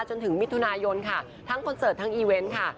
จนถึงมิถุนายนค่ะทั้งคอนเสิร์ตทั้งอีเวนต์ค่ะ